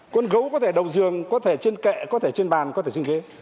con gấu có thể đầu giường có thể trên kẹ có thể trên bàn có thể trên ghế